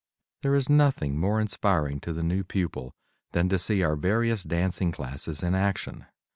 There is nothing more inspiring to the new pupil than to see our various dancing classes in action.